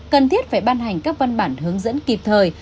cần thiết phải ban hành các văn bản hướng dẫn kịp thời